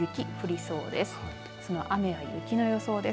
その雨や雪の予想です。